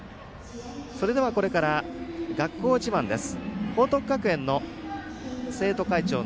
それでは、これから学校自慢です。